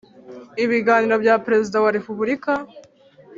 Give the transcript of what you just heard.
ibiganiro bya Perezida wa Repubulika